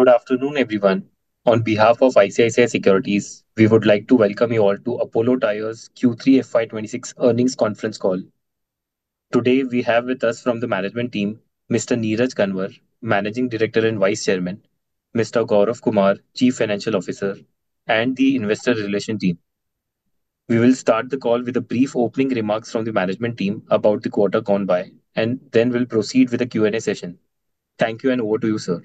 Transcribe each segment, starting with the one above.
Good afternoon, everyone. On behalf of ICICI Securities, we would like to welcome you all to Apollo Tyres Q3 FY 2026 earnings conference call. Today we have with us from the management team Mr. Neeraj Kanwar, Managing Director and Vice Chairman, Mr. Gaurav Kumar, Chief Financial Officer, and the Investor Relations Team. We will start the call with a brief opening remarks from the management team about the quarter gone by, and then we'll proceed with a Q&A session. Thank you, and over to you, sir.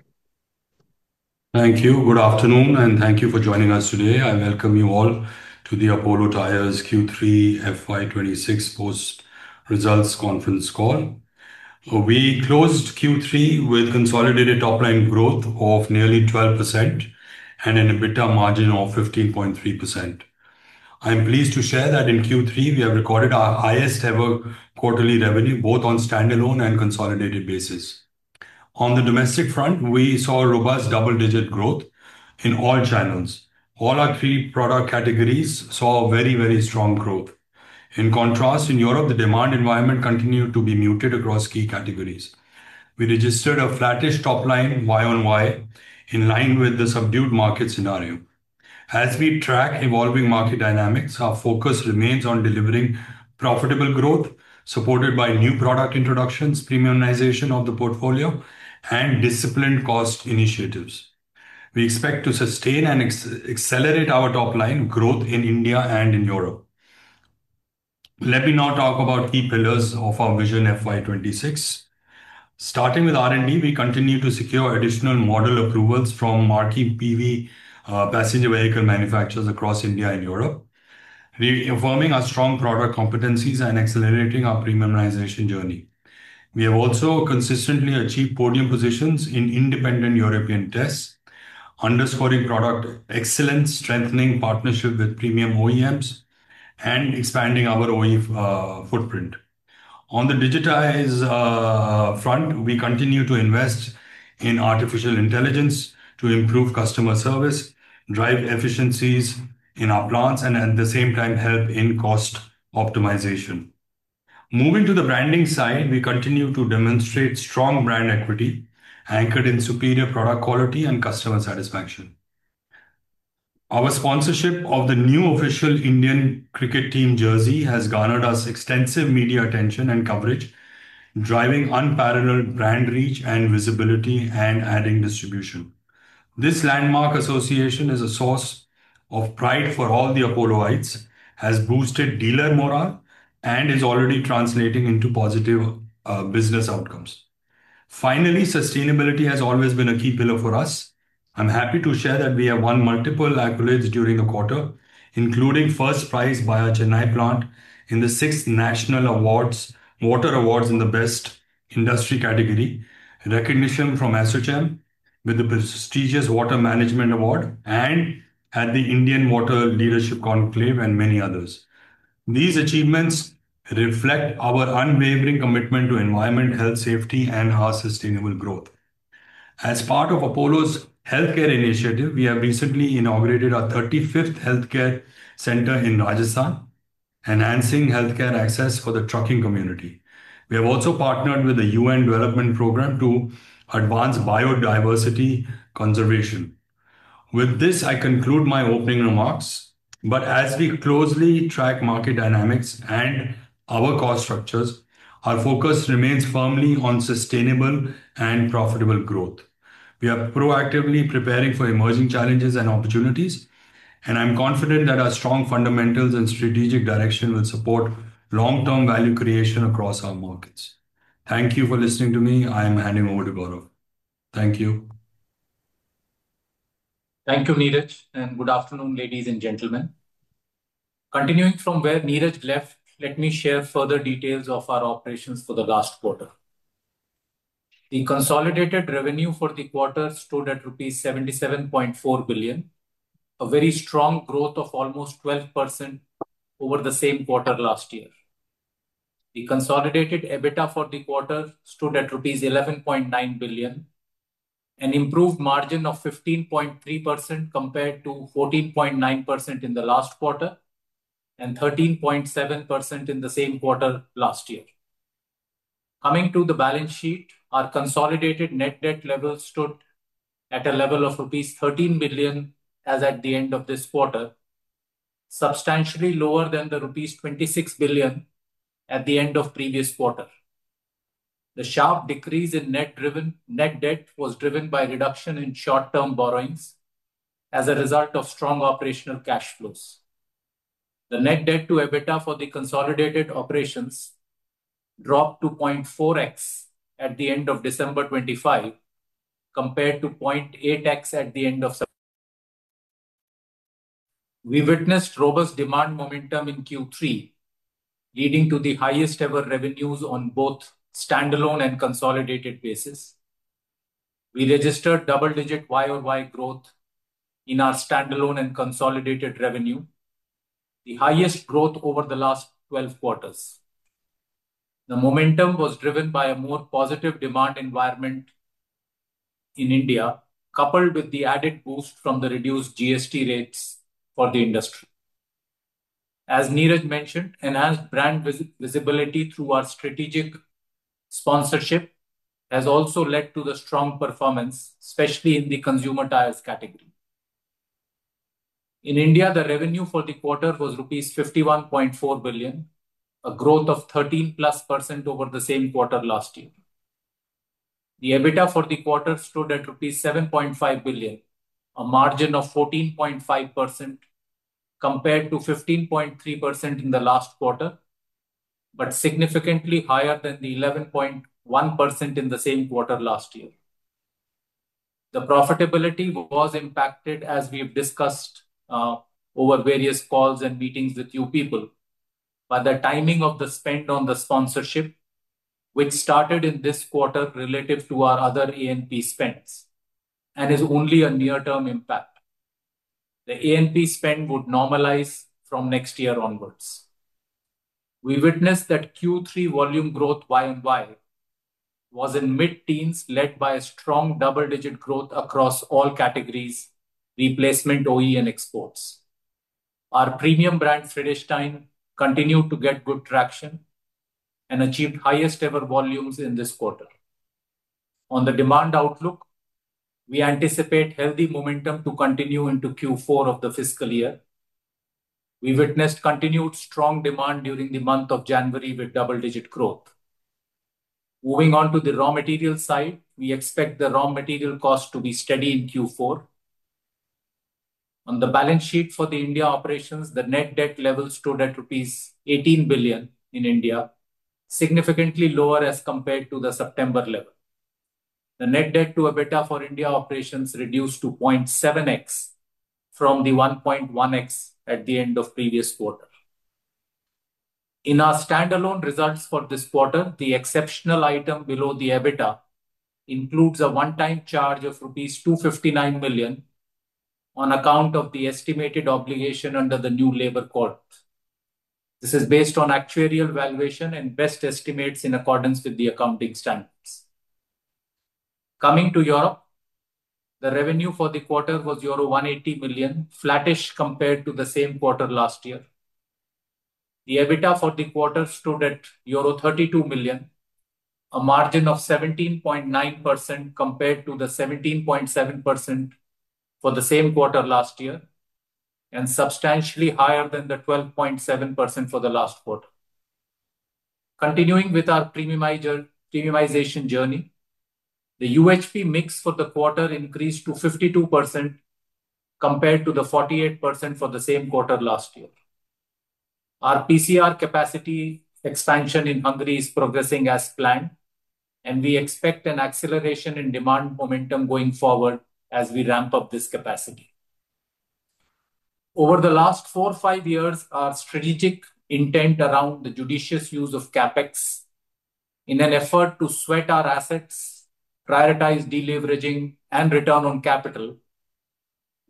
Thank you. Good afternoon, and thank you for joining us today. I welcome you all to the Apollo Tyres Q3 FY 2026 post-results conference call. We closed Q3 with consolidated top-line growth of nearly 12% and an EBITDA margin of 15.3%. I am pleased to share that in Q3 we have recorded our highest-ever quarterly revenue both on standalone and consolidated basis. On the domestic front, we saw robust double-digit growth in all channels. All our three product categories saw very, very strong growth. In contrast, in Europe the demand environment continued to be muted across key categories. We registered a flattish top-line Y/Y in line with the subdued market scenario. As we track evolving market dynamics, our focus remains on delivering profitable growth supported by new product introductions, premiumization of the portfolio, and disciplined cost initiatives. We expect to sustain and accelerate our top-line growth in India and in Europe. Let me now talk about key pillars of our vision FY 2026. Starting with R&D, we continue to secure additional model approvals from marquee PV passenger vehicle manufacturers across India and Europe, reaffirming our strong product competencies and accelerating our premiumization journey. We have also consistently achieved podium positions in independent European tests, underscoring product excellence, strengthening partnerships with premium OEMs, and expanding our OE footprint. On the digitized front, we continue to invest in artificial intelligence to improve customer service, drive efficiencies in our plants, and at the same time help in cost optimization. Moving to the branding side, we continue to demonstrate strong brand equity anchored in superior product quality and customer satisfaction. Our sponsorship of the new official Indian cricket team jersey has garnered us extensive media attention and coverage, driving unparalleled brand reach and visibility and adding distribution. This landmark association is a source of pride for all the Apolloites, has boosted dealer morale, and is already translating into positive business outcomes. Finally, sustainability has always been a key pillar for us. I am happy to share that we have won multiple accolades during the quarter, including first prize by our Chennai plant in the sixth National Water Awards in the Best Industry category, recognition from ASSOCHAM with the prestigious Water Management Award, and at the Indian Water Leadership Conclave and many others. These achievements reflect our unwavering commitment to environment, health, safety, and our sustainable growth. As part of Apollo's healthcare initiative, we have recently inaugurated our 35th healthcare center in Rajasthan, enhancing healthcare access for the trucking community. We have also partnered with the UN Development Programme to advance biodiversity conservation. With this, I conclude my opening remarks. But as we closely track market dynamics and our cost structures, our focus remains firmly on sustainable and profitable growth. We are proactively preparing for emerging challenges and opportunities, and I am confident that our strong fundamentals and strategic direction will support long-term value creation across our markets. Thank you for listening to me. I am handing over to Gaurav. Thank you. Thank you, Neeraj. Good afternoon, ladies and gentlemen. Continuing from where Neeraj left, let me share further details of our operations for the last quarter. The consolidated revenue for the quarter stood at rupees 77.4 billion, a very strong growth of almost 12% over the same quarter last year. The consolidated EBITDA for the quarter stood at rupees 11.9 billion, an improved margin of 15.3% compared to 14.9% in the last quarter and 13.7% in the same quarter last year. Coming to the balance sheet, our consolidated net debt level stood at a level of rupees 13 billion as at the end of this quarter, substantially lower than the rupees 26 billion at the end of previous quarter. The sharp decrease in net debt was driven by reduction in short-term borrowings as a result of strong operational cash flows. The net debt to EBITDA for the consolidated operations dropped to 0.4x at the end of December 2025 compared to 0.8x at the end of September. We witnessed robust demand momentum in Q3, leading to the highest-ever revenues on both standalone and consolidated basis. We registered double-digit Y/Y growth in our standalone and consolidated revenue, the highest growth over the last 12 quarters. The momentum was driven by a more positive demand environment in India, coupled with the added boost from the reduced GST rates for the industry. As Neeraj mentioned, enhanced brand visibility through our strategic sponsorship has also led to the strong performance, especially in the consumer tires category. In India, the revenue for the quarter was rupees 51.4 billion, a growth of 13%+ over the same quarter last year. The EBITDA for the quarter stood at INR 7.5 billion, a margin of 14.5% compared to 15.3% in the last quarter, but significantly higher than the 11.1% in the same quarter last year. The profitability was impacted, as we have discussed over various calls and meetings with you people, by the timing of the spend on the sponsorship, which started in this quarter relative to our other A&P spends, and is only a near-term impact. The A&P spend would normalize from next year onwards. We witnessed that Q3 volume growth Y/Y was in mid-teens, led by a strong double-digit growth across all categories, replacement OE, and exports. Our premium brand Vredestein continued to get good traction and achieved highest-ever volumes in this quarter. On the demand outlook, we anticipate healthy momentum to continue into Q4 of the fiscal year. We witnessed continued strong demand during the month of January with double-digit growth. Moving on to the raw materials side, we expect the raw material cost to be steady in Q4. On the balance sheet for the India operations, the net debt level stood at rupees 18 billion in India, significantly lower as compared to the September level. The net debt to EBITDA for India operations reduced to 0.7x from the 1.1x at the end of previous quarter. In our standalone results for this quarter, the exceptional item below the EBITDA includes a one-time charge of rupees 259 million on account of the estimated obligation under the new Labor Code. This is based on actuarial valuation and best estimates in accordance with the accounting standards. Coming to Europe, the revenue for the quarter was euro 180 million, flattish compared to the same quarter last year. The EBITDA for the quarter stood at euro 32 million, a margin of 17.9% compared to the 17.7% for the same quarter last year, and substantially higher than the 12.7% for the last quarter. Continuing with our premiumization journey, the UHP mix for the quarter increased to 52% compared to the 48% for the same quarter last year. Our PCR capacity expansion in Hungary is progressing as planned, and we expect an acceleration in demand momentum going forward as we ramp up this capacity. Over the last four or five years, our strategic intent around the judicious use of CapEx in an effort to sweat our assets, prioritize deleveraging, and return on capital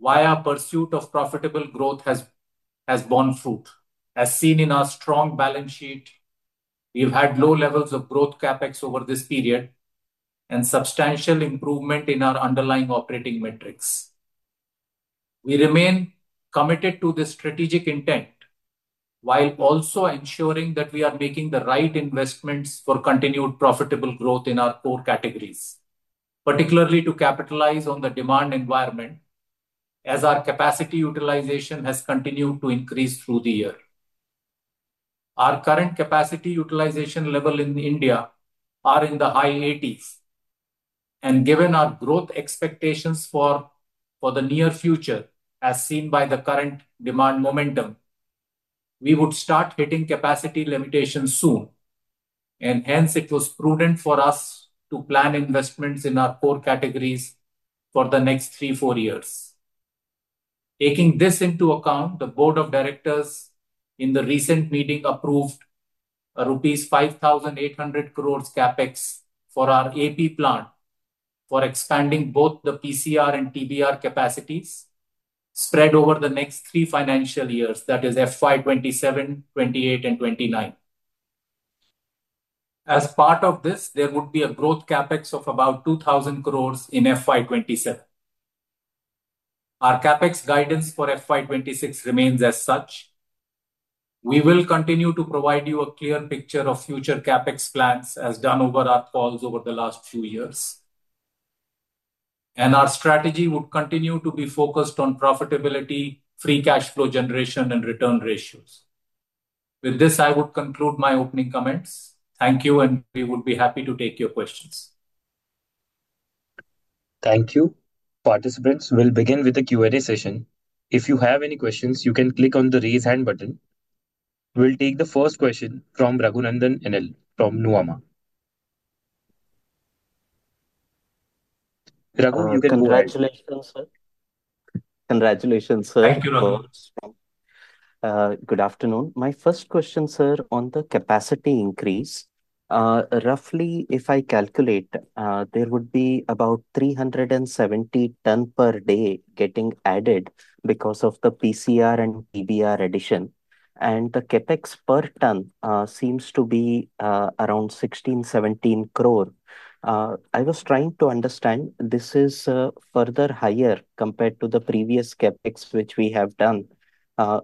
via pursuit of profitable growth has borne fruit. As seen in our strong balance sheet, we have had low levels of growth CapEx over this period and substantial improvement in our underlying operating metrics. We remain committed to this strategic intent while also ensuring that we are making the right investments for continued profitable growth in our core categories, particularly to capitalize on the demand environment as our capacity utilization has continued to increase through the year. Our current capacity utilization level in India is in the high 80s, and given our growth expectations for the near future, as seen by the current demand momentum, we would start hitting capacity limitations soon, and hence it was prudent for us to plan investments in our core categories for the next three, four years. Taking this into account, the Board of Directors in the recent meeting approved rupees 5,800 crore CapEx for our AP plant for expanding both the PCR and TBR capacities spread over the next three financial years, that is FY 2027, 2028, and 2029. As part of this, there would be a growth CapEx of about 2,000 crore in FY 2027. Our CapEx guidance for FY 2026 remains as such. We will continue to provide you a clear picture of future CapEx plans as done over our calls over the last few years. Our strategy would continue to be focused on profitability, free cash flow generation, and return ratios. With this, I would conclude my opening comments. Thank you, and we would be happy to take your questions. Thank you. Participants, we'll begin with the Q&A session. If you have any questions, you can click on the raise hand button. We'll take the first question from Raghunandan NL from Nuvama. Raghu, you can go ahead. Congratulations, sir. Congratulations, sir. Thank you, Raghu. Good afternoon. My first question, sir, on the capacity increase. Roughly, if I calculate, there would be about 370 tons per day getting added because of the PCR and TBR addition, and the CapEx per ton seems to be around 16 crore-17 crore. I was trying to understand, this is further higher compared to the previous CapEx which we have done,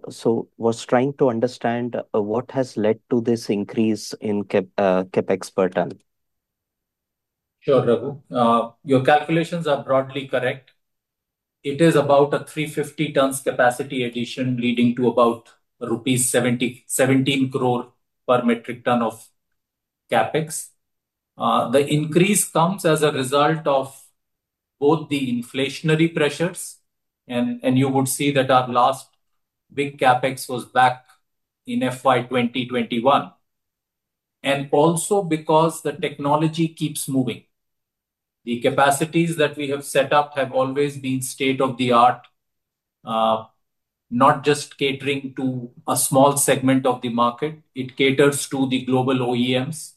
so I was trying to understand what has led to this increase in CapEx per ton. Sure, Raghu. Your calculations are broadly correct. It is about a 350 tons capacity addition leading to about 17 crore per metric ton of CapEx. The increase comes as a result of both the inflationary pressures, and you would see that our last big CapEx was back in FY2021, and also because the technology keeps moving. The capacities that we have set up have always been state-of-the-art, not just catering to a small segment of the market. It caters to the global OEMs,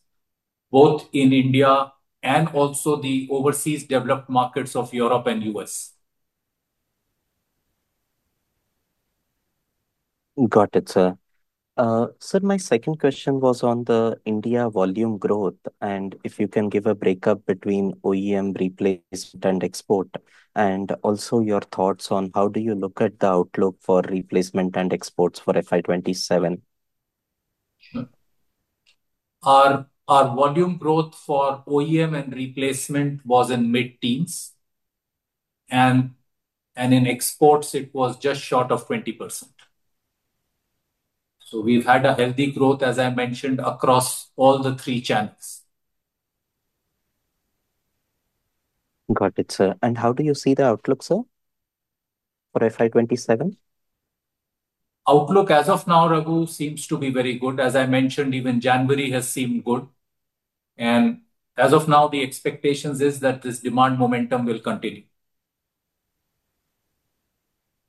both in India and also the overseas developed markets of Europe and the U.S. Got it, sir. Sir, my second question was on the India volume growth, and if you can give a break-up between OEM, replacement, and export, and also your thoughts on how do you look at the outlook for replacement and exports for FY 2027. Sure. Our volume growth for OEM and replacement was in mid-teens, and in exports it was just short of 20%. So we've had a healthy growth, as I mentioned, across all the three channels. Got it, sir. How do you see the outlook, sir, for FY 2027? Outlook as of now, Raghu, seems to be very good. As I mentioned, even January has seemed good. As of now, the expectation is that this demand momentum will continue.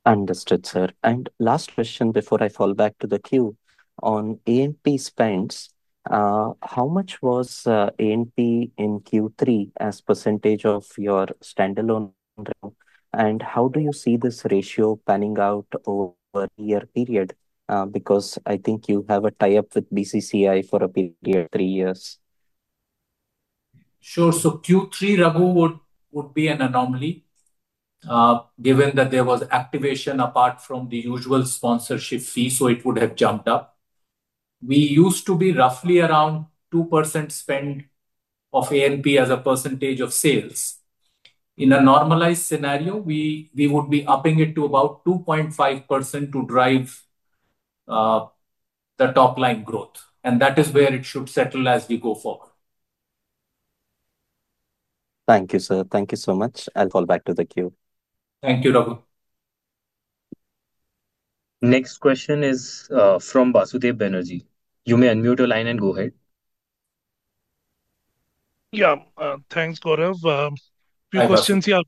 Understood, sir. And last question before I fall back to the queue: on A&P spends, how much was A&P in Q3 as percentage of your standalone, and how do you see this ratio panning out over a year period? Because I think you have a tie-up with BCCI for a period of three years. Sure. So Q3, Raghu, would be an anomaly, given that there was activation apart from the usual sponsorship fee, so it would have jumped up. We used to be roughly around 2% spend of A&P as a percentage of sales. In a normalized scenario, we would be upping it to about 2.5% to drive the top-line growth, and that is where it should settle as we go forward. Thank you, sir. Thank you so much. I'll fall back to the queue. Thank you, Raghu. Next question is from Basudeb Banerjee. You may unmute your line and go ahead. Yeah. Thanks, Gaurav. A few questions here.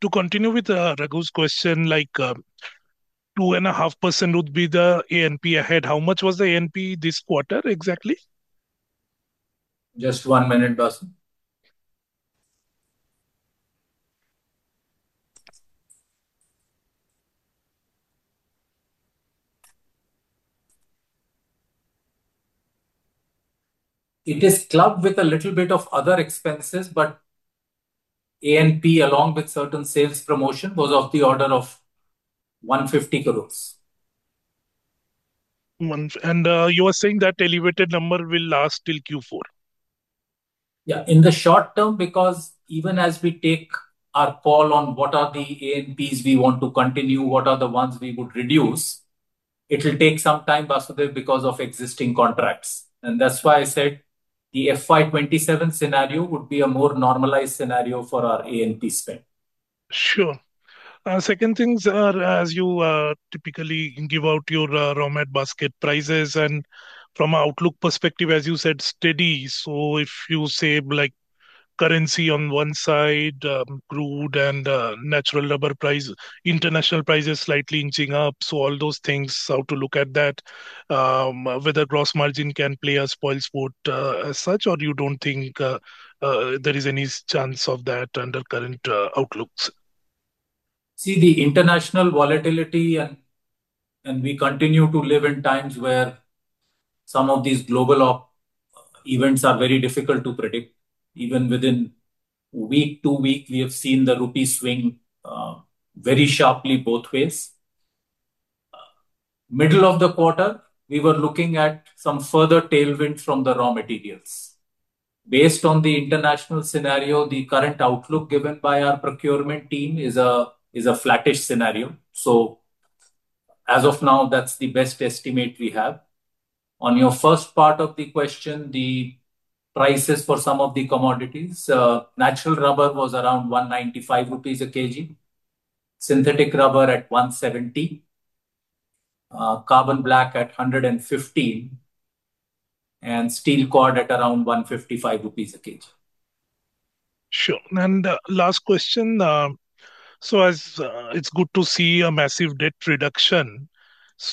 To continue with Raghu's question, 2.5% would be the A&P ahead. How much was the A&P this quarter, exactly? Just one minute, Basu. It is clubbed with a little bit of other expenses, but A&P, along with certain sales promotion, was of the order of 150 crore. You were saying that elevated number will last till Q4? Yeah. In the short term, because even as we take our call on what are the A&Ps we want to continue, what are the ones we would reduce, it will take some time, Basudeb, because of existing contracts. And that's why I said the FY 2027 scenario would be a more normalized scenario for our A&P spend. Sure. Second things, as you typically give out your raw material basket prices, and from an outlook perspective, as you said, steady. So if you save currency on one side, crude and natural rubber price, international prices slightly inching up, so all those things, how to look at that? Whether gross margin can play spoilsport as such, or you don't think there is any chance of that under current outlooks? See, the international volatility, and we continue to live in times where some of these global events are very difficult to predict. Even within a week, two weeks, we have seen the rupee swing very sharply both ways. Middle of the quarter, we were looking at some further tailwind from the raw materials. Based on the international scenario, the current outlook given by our procurement team is a flattish scenario. So as of now, that's the best estimate we have. On your first part of the question, the prices for some of the commodities: natural rubber was around 195 rupees per kg, synthetic rubber at 170/kg, carbon black at 115/kg, and steel cord at around 155 rupees/kg. Sure. Last question: so it's good to see a massive debt reduction,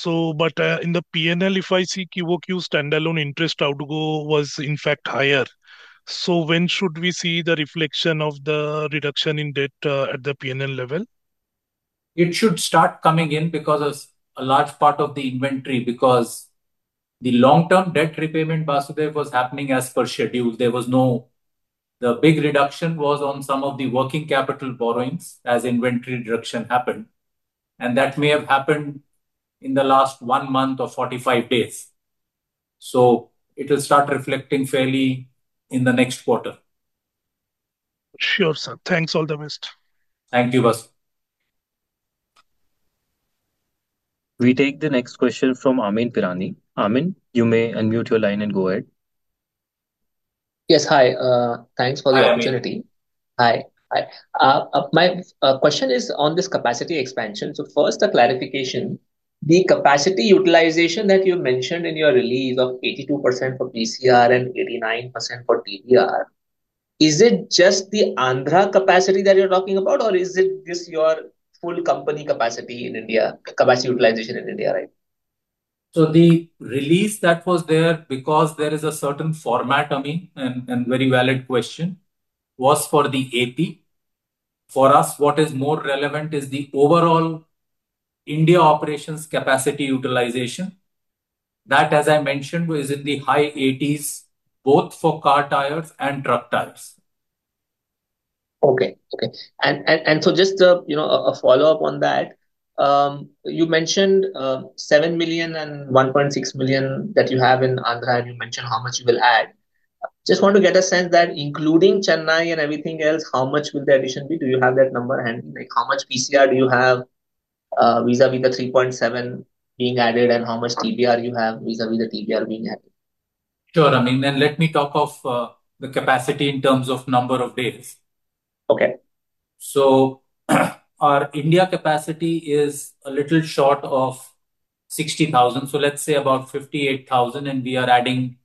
but in the P&L, if I see QOQ standalone interest outgo was, in fact, higher. So when should we see the reflection of the reduction in debt at the P&L level? It should start coming in because of a large part of the inventory, because the long-term debt repayment, Basudeb, was happening as per schedule. The big reduction was on some of the working capital borrowings as inventory reduction happened, and that may have happened in the last one month or 45 days. So it will start reflecting fairly in the next quarter. Sure, sir. Thanks. All the best. Thank you, Basu. We take the next question from Amyn Pirani. Amyn, you may unmute your line and go ahead. Yes. Hi. Thanks for the opportunity. Hi. Hi. My question is on this capacity expansion. So first, a clarification: the capacity utilization that you mentioned in your release of 82% for PCR and 89% for TBR, is it just the Andhra capacity that you're talking about, or is this your full company capacity in India, capacity utilization in India, right? The release that was there, because there is a certain format, Amyn, and very valid question, was for the AP. For us, what is more relevant is the overall India operations capacity utilization. That, as I mentioned, is in the high 80s, both for car tires and truck tires. Okay. Okay. And so just a follow-up on that, you mentioned 7 million and 1.6 million that you have in Andhra, and you mentioned how much you will add. Just want to get a sense that including Chennai and everything else, how much will the addition be? Do you have that number handy? How much PCR do you have vis-à-vis the 3.7 being added, and how much TBR you have vis-à-vis the TBR being added? Sure. I mean, then let me talk of the capacity in terms of number of days. So our India capacity is a little short of 60,000. So let's say about 58,000, and we are adding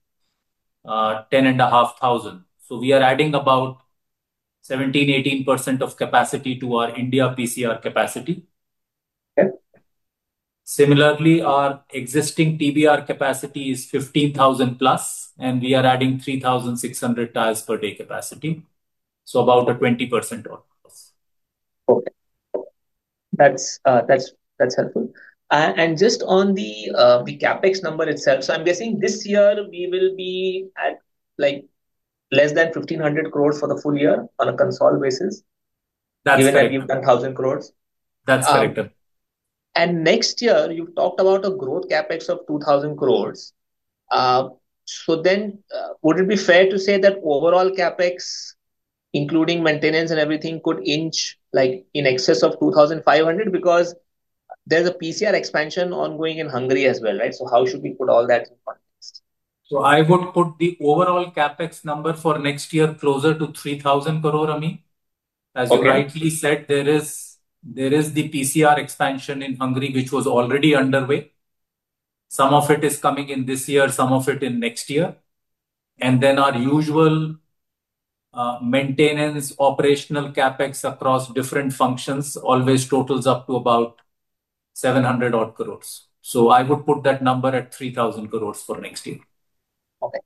10,500. So we are adding about 17%-18% of capacity to our India PCR capacity. Similarly, our existing TBR capacity is 15,000+, and we are adding 3,600 tires per day capacity, so about a 20%. Okay. That's helpful. Just on the CapEx number itself, so I'm guessing this year we will be at less than 1,500 crore for the full year on a consolidated basis, given that we've done 1,000 crore. That's correct. Next year, you've talked about a growth CapEx of 2,000 crore. So then would it be fair to say that overall CapEx, including maintenance and everything, could inch in excess of 2,500? Because there's a PCR expansion ongoing in Hungary as well, right? So how should we put all that in context? So I would put the overall CapEx number for next year closer to 3,000 crore, Amyn. As you rightly said, there is the PCR expansion in Hungary, which was already underway. Some of it is coming in this year, some of it in next year. And then our usual maintenance operational CapEx across different functions always totals up to about 700-odd crore. So I would put that number at 3,000 crore for next year. Okay.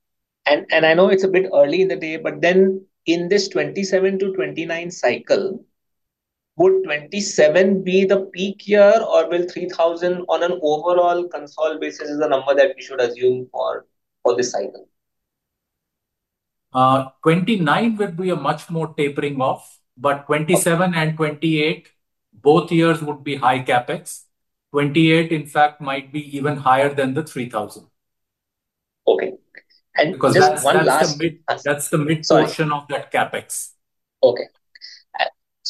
I know it's a bit early in the day, but then in this 2027-2029 cycle, would 2027 be the peak year, or will 3,000 on an overall consolidated basis be the number that we should assume for this cycle? 29 would be a much more tapering-off, but 27 and 28, both years would be high CapEx. 28, in fact, might be even higher than the 3,000. Because that's the mid portion of that CapEx.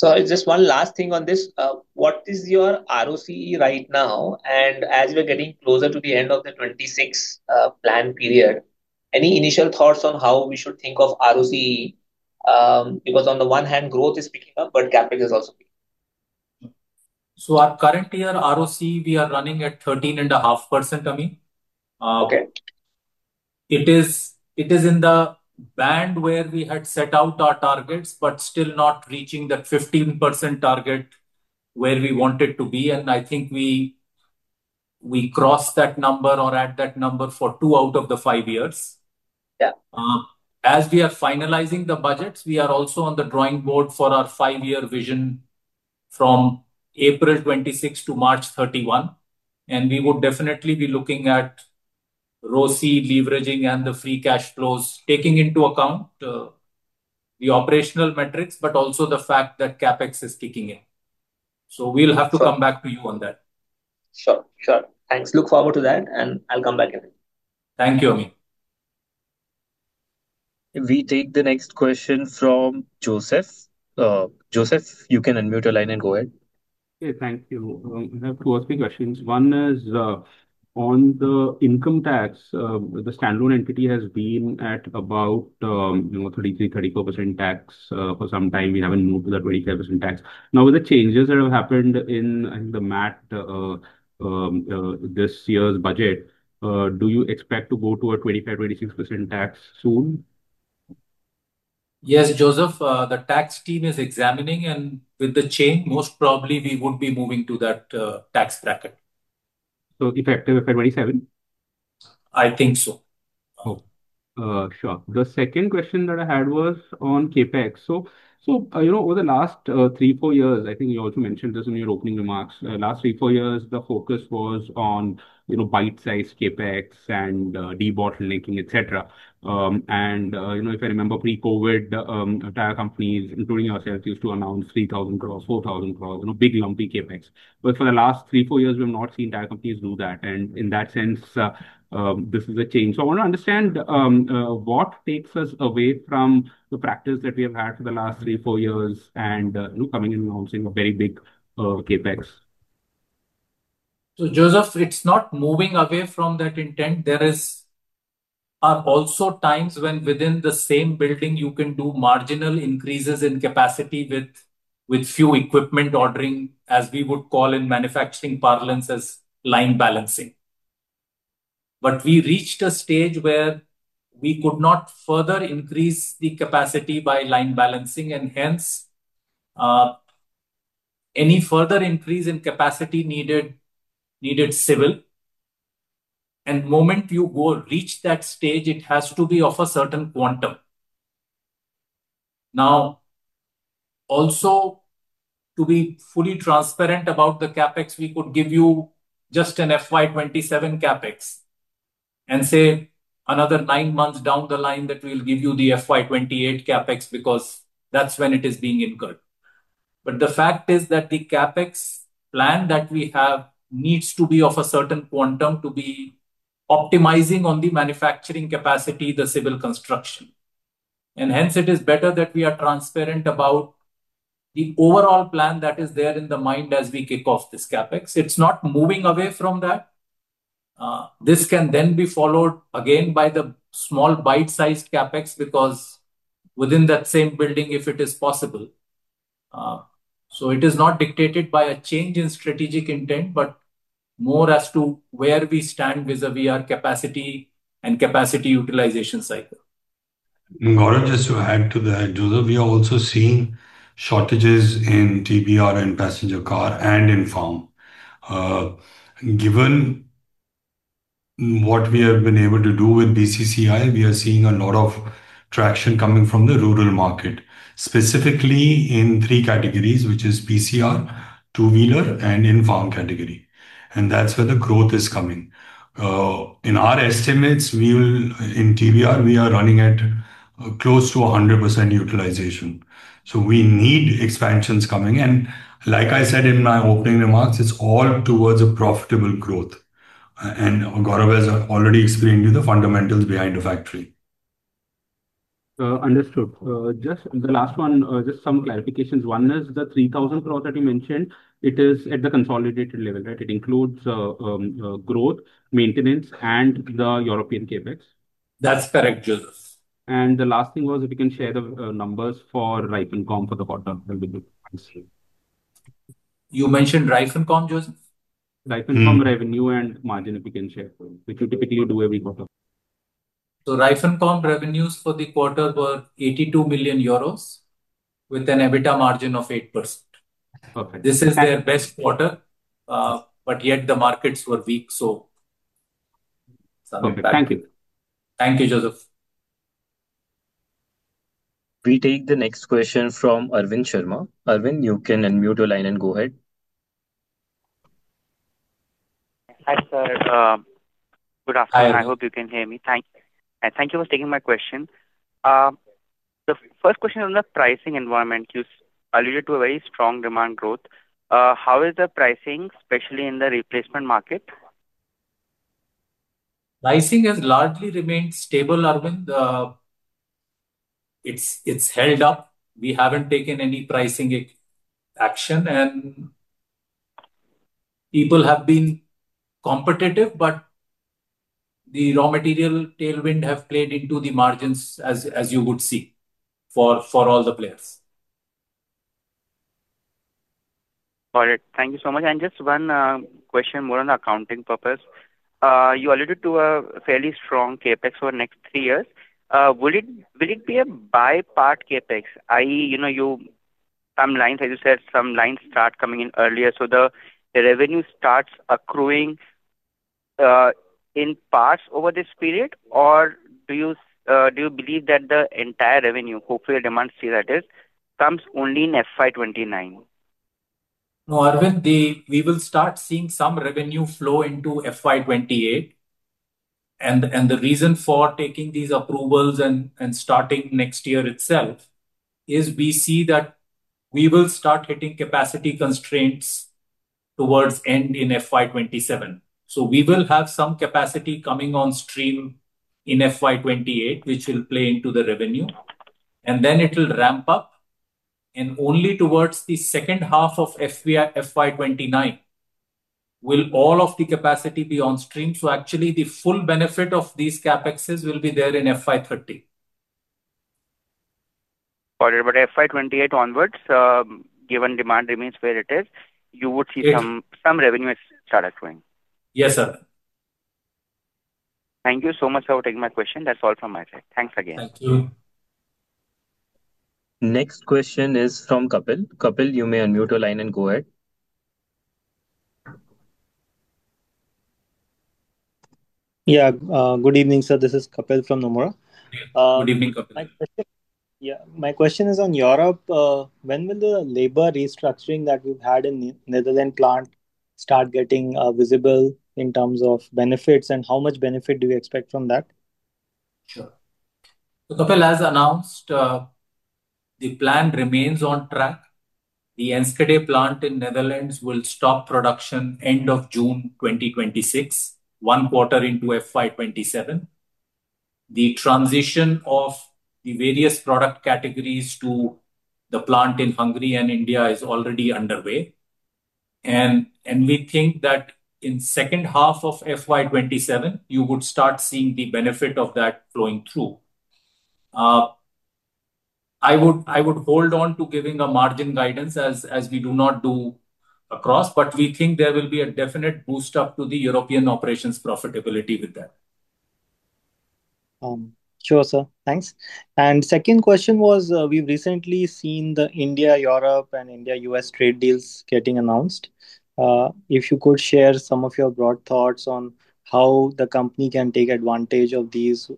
Okay. Just one last thing on this: what is your ROCE right now? As we're getting closer to the end of the 26th plan period, any initial thoughts on how we should think of ROCE? Because on the one hand, growth is picking up, but CapEx is also picking up. Our current year ROCE, we are running at 13.5%, Amyn. It is in the band where we had set out our targets, but still not reaching that 15% target where we wanted to be. I think we crossed that number or at that number for two out of the five years. As we are finalizing the budgets, we are also on the drawing board for our five-year vision from April 26th to March 31. We would definitely be looking at ROCE leveraging and the free cash flows, taking into account the operational metrics, but also the fact that CapEx is kicking in. We'll have to come back to you on that. Sure. Sure. Thanks. Look forward to that, and I'll come back again. Thank you, Amyn. We take the next question from Joseph. Joseph, you can unmute your line and go ahead. Okay. Thank you. I have two or three questions. One is on the income tax. The standalone entity has been at about 33%-34% tax for some time. We haven't moved to that 25% tax. Now, with the changes that have happened in, I think, the MAT this year's budget, do you expect to go to a 25%-26% tax soon? Yes, Joseph. The tax team is examining, and with the change, most probably we would be moving to that tax bracket. So, effective 27? I think so. Sure. The second question that I had was on CapEx. So over the last three, four years, I think you also mentioned this in your opening remarks. Last three, four years, the focus was on bite-sized CapEx and debottlenecking, etc. And if I remember, pre-COVID, tire companies, including ourselves, used to announce 3,000 crore, 4,000 crore, big lumpy CapEx. But for the last three, four years, we have not seen tire companies do that. And in that sense, this is a change. So I want to understand what takes us away from the practice that we have had for the last three, four years and coming and announcing a very big CapEx. So, Joseph, it's not moving away from that intent. There are also times when, within the same building, you can do marginal increases in capacity with few equipment ordering, as we would call in manufacturing parlance, as line balancing. But we reached a stage where we could not further increase the capacity by line balancing, and hence, any further increase in capacity needed civil. And the moment you go reach that stage, it has to be of a certain quantum. Now, also, to be fully transparent about the CapEx, we could give you just an FY 2027 CapEx and say another nine months down the line that we'll give you the FY 2028 CapEx because that's when it is being incurred. But the fact is that the CapEx plan that we have needs to be of a certain quantum to be optimizing on the manufacturing capacity, the civil construction. Hence, it is better that we are transparent about the overall plan that is there in the mind as we kick off this CapEx. It's not moving away from that. This can then be followed again by the small bite-sized CapEx because, within that same building, if it is possible. It is not dictated by a change in strategic intent, but more as to where we stand vis-à-vis our capacity and capacity utilization cycle. And just to add to that, Joseph, we are also seeing shortages in TBR and passenger car and in farm. Given what we have been able to do with BCCI, we are seeing a lot of traction coming from the rural market, specifically in three categories, which are PCR, two-wheeler, and in-farm category. And that's where the growth is coming. In our estimates, in TBR, we are running at close to 100% utilization. So we need expansions coming. And like I said in my opening remarks, it's all towards a profitable growth. And Gaurav has already explained to you the fundamentals behind a factory. Understood. Just the last one, just some clarifications. One is the 3,000 crore that you mentioned. It is at the consolidated level, right? It includes growth, maintenance, and the European CapEx. That's correct, Joseph. And the last thing was, if you can share the numbers for reifencom for the quarter, that would be good. Thanks. You mentioned reifencom, Joseph? Reifencom revenue and margin, if you can share, which we typically do every quarter. Reifencom revenues for the quarter were 82 million euros with an EBITDA margin of 8%. This is their best quarter, but yet the markets were weak, so. Okay. Thank you. Thank you, Joseph. We take the next question from Arvind Sharma. Arvind, you can unmute your line and go ahead. Hi, sir. Good afternoon. I hope you can hear me. Thank you. And thank you for taking my question. The first question is on the pricing environment. You alluded to a very strong demand growth. How is the pricing, especially in the replacement market? Pricing has largely remained stable, Arvind. It's held up. We haven't taken any pricing action. And people have been competitive, but the raw material tailwind has played into the margins, as you would see, for all the players. Got it. Thank you so much. And just one question more on the accounting purpose. You alluded to a fairly strong CapEx for the next three years. Will it be a bifurcated CapEx, i.e., some lines, as you said, some lines start coming in earlier, so the revenue starts accruing in parts over this period, or do you believe that the entire revenue, hopefully the demand, that is, comes only in FY 2029? No, Arvind, we will start seeing some revenue flow into FY 2028. And the reason for taking these approvals and starting next year itself is we see that we will start hitting capacity constraints towards the end in FY 2027. So we will have some capacity coming on stream in FY 2028, which will play into the revenue. And then it will ramp up. And only towards the second half of FY 2029 will all of the capacity be on stream. So actually, the full benefit of these CapExes will be there in FY 2030. Got it. But FY 2028 onward, given demand remains where it is, you would see some revenue start accruing? Yes, sir. Thank you so much for taking my question. That's all from my side. Thanks again. Thank you. Next question is from Kapil. Kapil, you may unmute your line and go ahead. Yeah. Good evening, sir. This is Kapil from Nomura. Good evening, Kapil. Yeah. My question is on Europe. When will the labor restructuring that you've had in the Netherlands plant start getting visible in terms of benefits, and how much benefit do you expect from that? Sure. So Kapil has announced the plan remains on track. The Enschede plant in the Netherlands will stop production end of June 2026, one quarter into FY 2027. The transition of the various product categories to the plant in Hungary and India is already underway. And we think that in the second half of FY 2027, you would start seeing the benefit of that flowing through. I would hold on to giving a margin guidance as we do not do across, but we think there will be a definite boost-up to the European operations profitability with that. Sure, sir. Thanks. And second question was, we've recently seen the India-Europe and India-U.S. trade deals getting announced. If you could share some of your broad thoughts on how the company can take advantage of these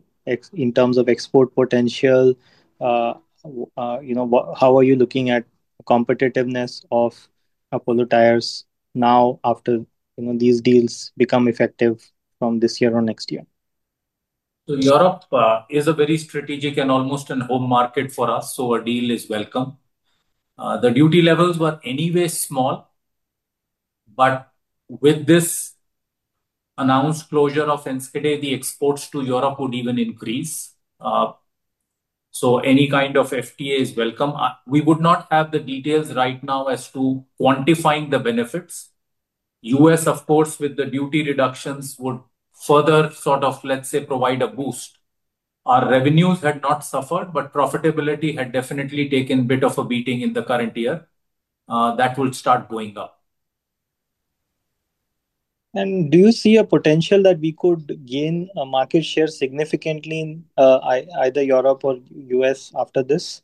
in terms of export potential, how are you looking at competitiveness of Apollo Tyres now after these deals become effective from this year or next year? So Europe is a very strategic and almost a home market for us, so a deal is welcome. The duty levels were anyway small. But with this announced closure of Enschede, the exports to Europe would even increase. So any kind of FTA is welcome. We would not have the details right now as to quantifying the benefits. U.S., of course, with the duty reductions, would further sort of, let's say, provide a boost. Our revenues had not suffered, but profitability had definitely taken a bit of a beating in the current year. That would start going up. Do you see a potential that we could gain a market share significantly in either Europe or U.S. after this?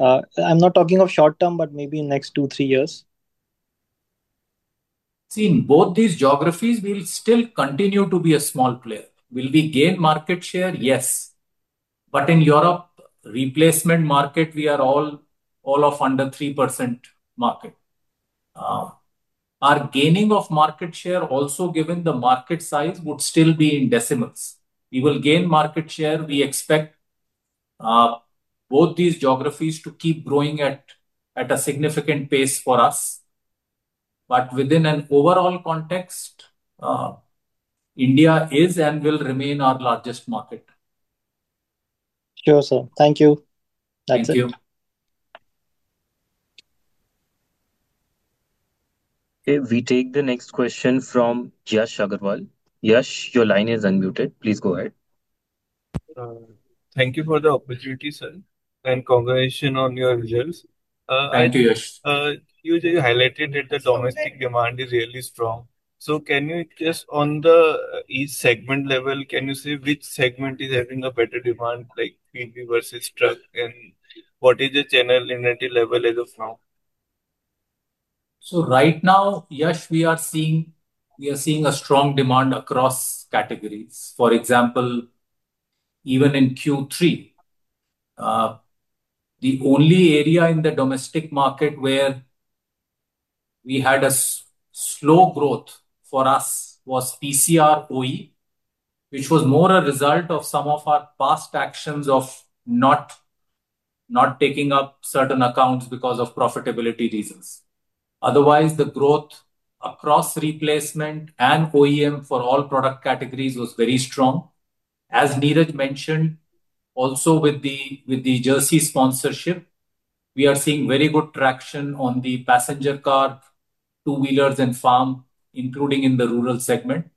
I'm not talking of short term, but maybe in the next 2-3 years. See, in both these geographies, we'll still continue to be a small player. Will we gain market share? Yes. But in the Europe replacement market, we are all of under 3% market. Our gaining of market share, also given the market size, would still be in decimals. We will gain market share. We expect both these geographies to keep growing at a significant pace for us. But within an overall context, India is and will remain our largest market. Sure, sir. Thank you. That's it. Thank you. Okay. We take the next question from Yash Agarwal. Yash, your line is unmuted. Please go ahead. Thank you for the opportunity, sir. Congratulations on your results. Thank you, Yash. You highlighted that the domestic demand is really strong. So can you just, on each segment level, can you say which segment is having a better demand, like PV versus truck, and what is the channel energy level as of now? So right now, Yash, we are seeing a strong demand across categories. For example, even in Q3, the only area in the domestic market where we had a slow growth for us was PCR OE, which was more a result of some of our past actions of not taking up certain accounts because of profitability reasons. Otherwise, the growth across replacement and OEM for all product categories was very strong. As Neeraj mentioned, also with the Jersey sponsorship, we are seeing very good traction on the passenger car, two-wheelers, and farm, including in the rural segment.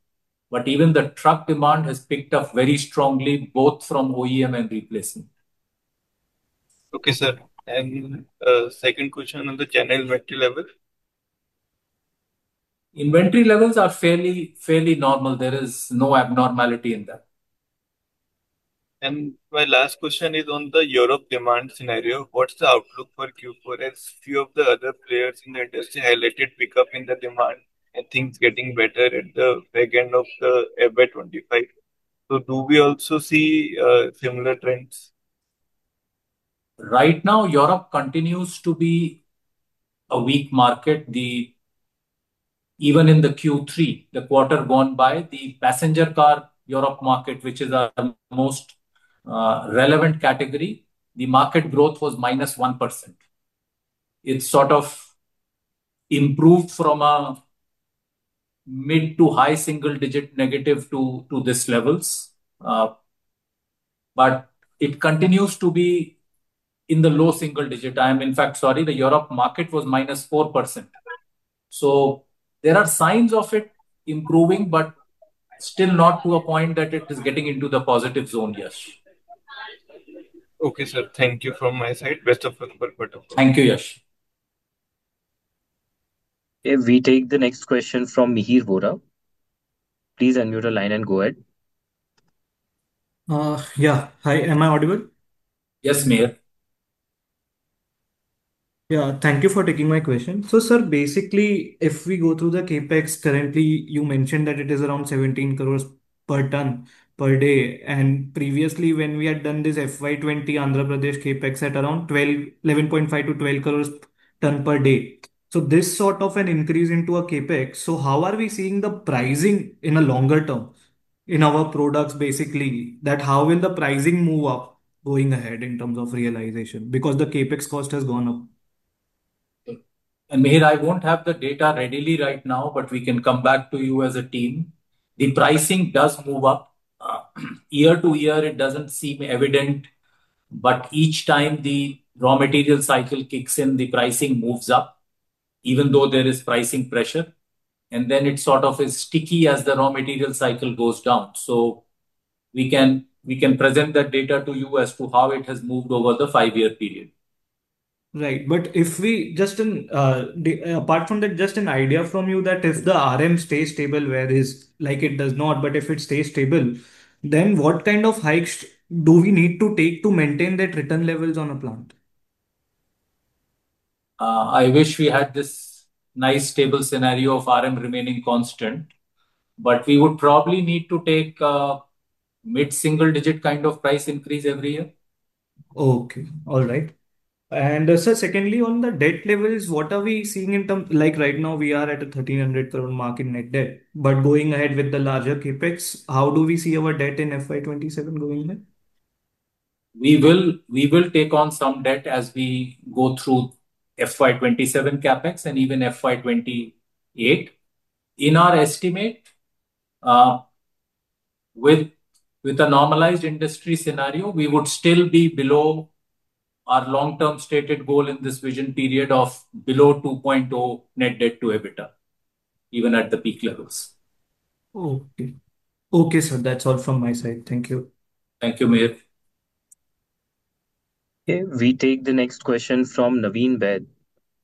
But even the truck demand has picked up very strongly, both from OEM and replacement. Okay, sir. And second question, on the channel inventory level? Inventory levels are fairly normal. There is no abnormality in that. My last question is on the Europe demand scenario. What's the outlook for Q4 as few of the other players in the industry highlighted pickup in the demand and things getting better at the back end of the FY 2025? Do we also see similar trends? Right now, Europe continues to be a weak market. Even in Q3, the quarter gone by, the passenger car Europe market, which is our most relevant category, the market growth was -1%. It sort of improved from a mid- to high single-digit negative to these levels. But it continues to be in the low single digit. I am, in fact, sorry. The Europe market was -4%. So there are signs of it improving, but still not to a point that it is getting into the positive zone, Yash. Okay, sir. Thank you from my side. Best of luck for the quarter. Thank you, Yash. Okay. We take the next question from Mihir Vora. Please unmute your line and go ahead. Yeah. Hi. Am I audible? Yes, Mihir. Yeah. Thank you for taking my question. So sir, basically, if we go through the CapEx, currently, you mentioned that it is around 17 crore per ton per day. And previously, when we had done this FY 2020, Andhra Pradesh CapEx at around INR 11.5-INR 12 crore ton per day. So this sort of an increase into a CapEx, so how are we seeing the pricing in a longer term in our products, basically, that how will the pricing move up going ahead in terms of realization because the CapEx cost has gone up? Mihir, I won't have the data readily right now, but we can come back to you as a team. The pricing does move up. Year to year, it doesn't seem evident. But each time the raw material cycle kicks in, the pricing moves up, even though there is pricing pressure. And then it sort of is sticky as the raw material cycle goes down. So we can present that data to you as to how it has moved over the five-year period. Right. But just apart from that, just an idea from you that if the RM stays stable where it does not, but if it stays stable, then what kind of hikes do we need to take to maintain that return levels on a plant? I wish we had this nice stable scenario of RM remaining constant. But we would probably need to take a mid-single-digit kind of price increase every year. Okay. All right. Sir, secondly, on the debt levels, what are we seeing in terms like right now, we are at a 1,300 crore net debt. But going ahead with the larger CapEx, how do we see our debt in FY 2027 going there? We will take on some debt as we go through FY 2027 CapEx and even FY 2028. In our estimate, with a normalized industry scenario, we would still be below our long-term stated goal in this vision period of below 2.0 net debt to EBITDA, even at the peak levels. Okay. Okay, sir. That's all from my side. Thank you. Thank you, Mihir. Okay. We take the next question from Naveen Baid.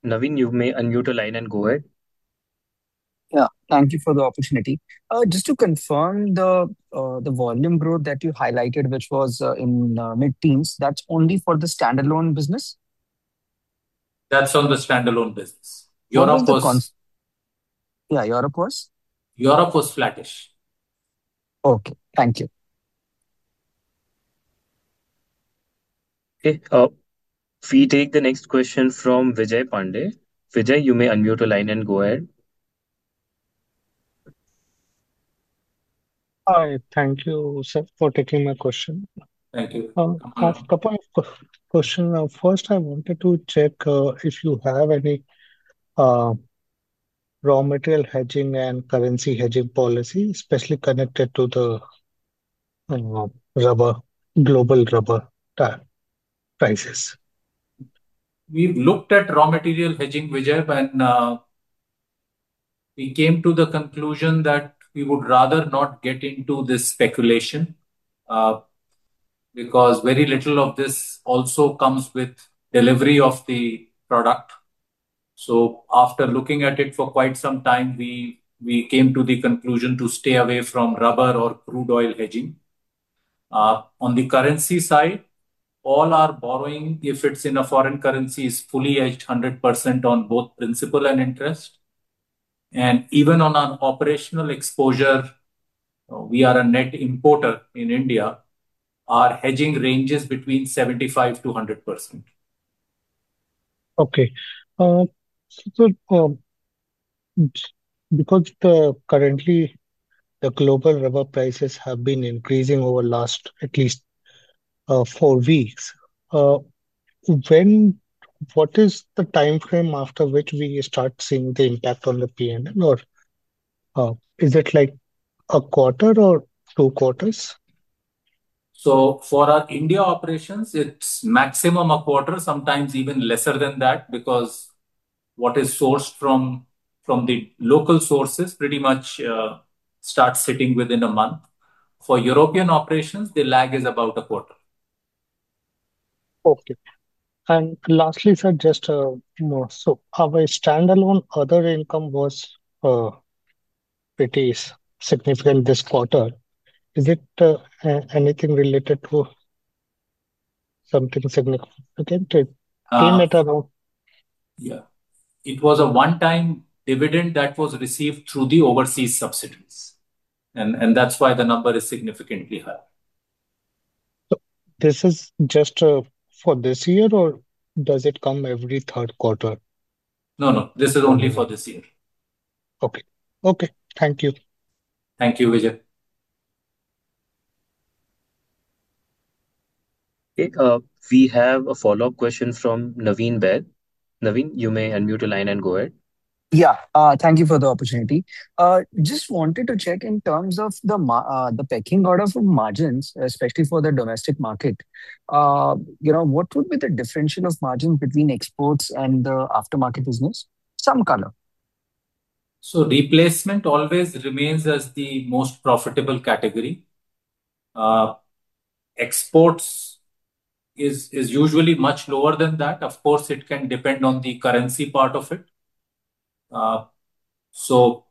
Naveen, you may unmute your line and go ahead. Yeah. Thank you for the opportunity. Just to confirm, the volume growth that you highlighted, which was in mid-teens, that's only for the standalone business? That's on the standalone business. Europe was. Yeah. Europe was? Europe was flattish. Okay. Thank you. Okay. We take the next question from Vijay Pandey. Vijay, you may unmute your line and go ahead. Hi. Thank you, sir, for taking my question. Thank you. I have a couple of questions. First, I wanted to check if you have any raw material hedging and currency hedging policy, especially connected to the global rubber tire prices. We've looked at raw material hedging, Vijay, and we came to the conclusion that we would rather not get into this speculation because very little of this also comes with delivery of the product. So after looking at it for quite some time, we came to the conclusion to stay away from rubber or crude oil hedging. On the currency side, all our borrowing, if it's in a foreign currency, is fully hedged 100% on both principal and interest. And even on our operational exposure, we are a net importer in India. Our hedging ranges between 75%-100%. Okay. So sir, because currently, the global rubber prices have been increasing over at least four weeks, what is the time frame after which we start seeing the impact on the P&L? Or is it like a quarter or two quarters? For our India operations, it's maximum a quarter, sometimes even lesser than that because what is sourced from the local sources pretty much starts sitting within a month. For European operations, the lag is about a quarter. Okay. And lastly, sir, just a note. So our standalone other income was pretty significant this quarter. Is it anything related to something significant? Again, it came at around. Yeah. It was a one-time dividend that was received through the overseas subsidiaries. That's why the number is significantly higher. This is just for this year, or does it come every third quarter? No, no. This is only for this year. Okay. Okay. Thank you. Thank you, Vijay. Okay. We have a follow-up question from Naveen Baid. Naveen, you may unmute your line and go ahead. Yeah. Thank you for the opportunity. Just wanted to check in terms of the pecking order of margins, especially for the domestic market. What would be the differential of margins between exports and the aftermarket business? Some color. So replacement always remains as the most profitable category. Exports is usually much lower than that. Of course, it can depend on the currency part of it. So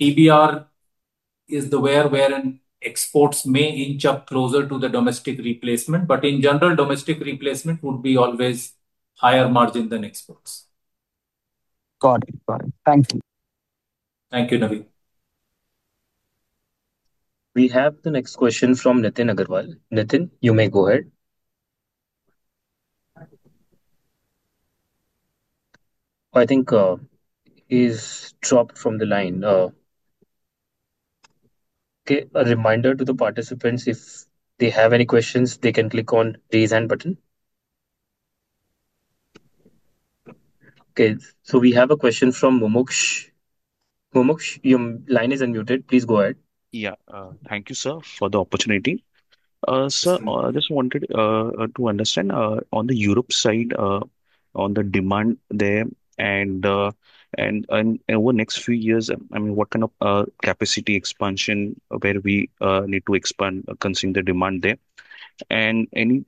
TBR is wherein exports may inch up closer to the domestic replacement. But in general, domestic replacement would be always higher margin than exports. Got it. Got it. Thank you. Thank you, Neeraj. We have the next question from Nitin Agrawal. Nitin, you may go ahead. I think he's dropped from the line. Okay. A reminder to the participants, if they have any questions, they can click on the raise hand button. Okay. So we have a question from Mumuksh. Mumuksh, your line is unmuted. Please go ahead. Yeah. Thank you, sir, for the opportunity. Sir, I just wanted to understand, on the Europe side, on the demand there and over the next few years, I mean, what kind of capacity expansion where we need to expand considering the demand there? And any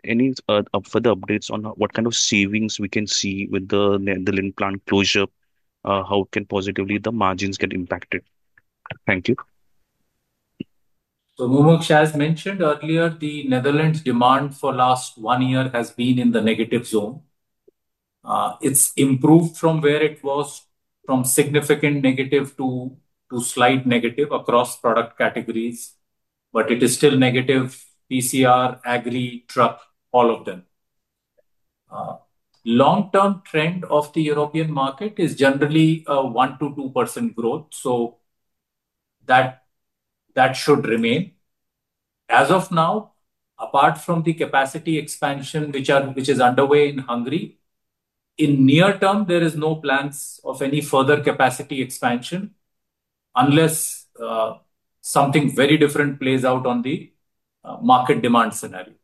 further updates on what kind of savings we can see with the Enschede plant closure, how it can positively the margins get impacted? Thank you. So Mumukshu has mentioned earlier, the Netherlands demand for the last 1 year has been in the negative zone. It's improved from where it was, from significant negative to slight negative across product categories. But it is still negative: PCR, agri, truck, all of them. Long-term trend of the European market is generally 1%-2% growth. So that should remain. As of now, apart from the capacity expansion, which is underway in Hungary, in near term, there are no plans of any further capacity expansion unless something very different plays out on the market demand scenario.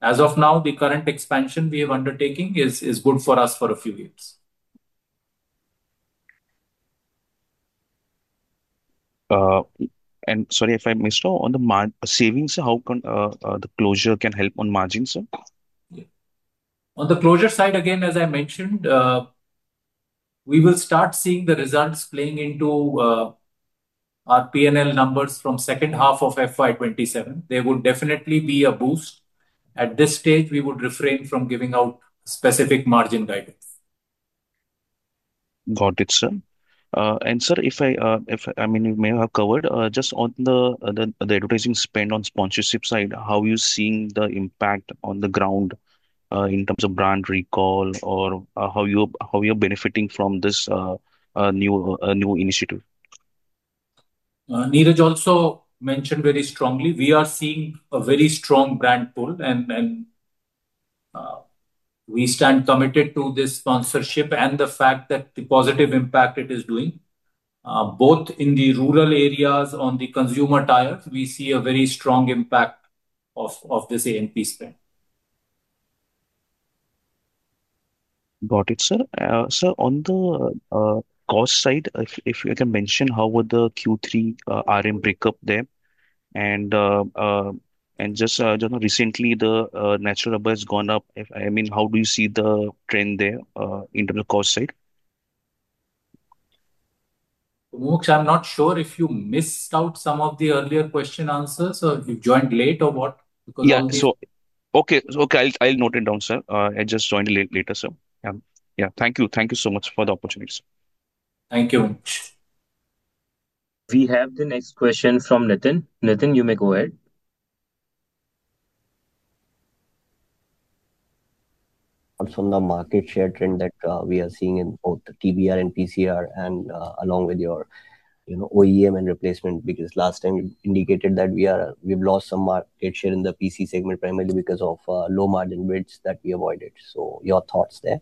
As of now, the current expansion we are uqndertaking is good for us for a few years. Sorry if I missed on the savings, how the closure can help on margins, sir? On the closure side, again, as I mentioned, we will start seeing the results playing into our P&L numbers from the second half of FY 2027. There would definitely be a boost. At this stage, we would refrain from giving out specific margin guidance. Got it, sir. And sir, if I mean, you may have covered. Just on the advertising spend on sponsorship side, how are you seeing the impact on the ground in terms of brand recall or how you are benefiting from this new initiative? Neeraj also mentioned very strongly, we are seeing a very strong brand pull, and we stand committed to this sponsorship and the fact that the positive impact it is doing. Both in the rural areas on the consumer tires, we see a very strong impact of this A&P spend. Got it, sir. Sir, on the cost side, if you can mention, how would the Q3 RM break up there? And just recently, the natural rubber has gone up. I mean, how do you see the trend there in terms of cost side? Mumukshu, I'm not sure if you missed out some of the earlier question answers. So you joined late or what? Yeah. Okay. Okay. I'll note it down, sir. I just joined later, sir. Yeah. Thank you. Thank you so much for the opportunity. Thank you very much. We have the next question from Nitin. Nitin, you may go ahead. Also on the market share trend that we are seeing in both TBR and PCR and along with your OEM and replacement because last time you indicated that we've lost some market share in the PC segment primarily because of low margin bids that we avoided. So your thoughts there?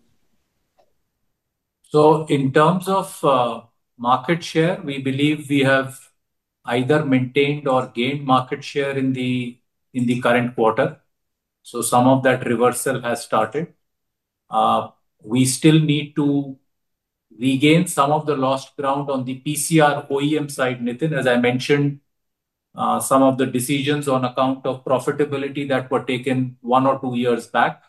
So in terms of market share, we believe we have either maintained or gained market share in the current quarter. So some of that reversal has started. We still need to regain some of the lost ground on the PCR/OEM side, Nitin. As I mentioned, some of the decisions on account of profitability that were taken one or two years back.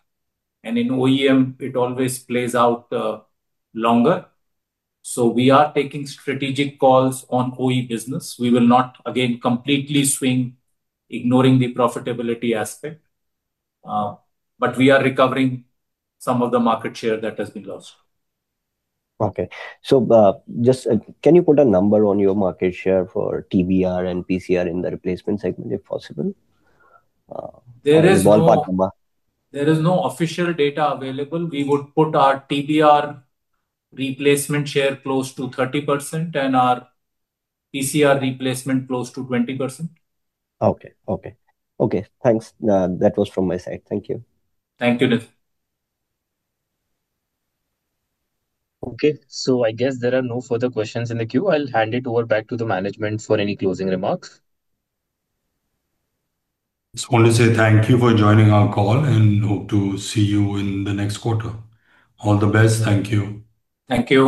In OEM, it always plays out longer. So we are taking strategic calls on OE business. We will not, again, completely swing ignoring the profitability aspect. But we are recovering some of the market share that has been lost. Okay. So can you put a number on your market share for TBR and PCR in the replacement segment if possible? There is no official data available. We would put our TBR replacement share close to 30% and our PCR replacement close to 20%. Okay. Okay. Okay. Thanks. That was from my side. Thank you. Thank you, Nitin. Okay. I guess there are no further questions in the queue. I'll hand it over back to the management for any closing remarks. It's only to say thank you for joining our call and hope to see you in the next quarter. All the best. Thank you. Thank you.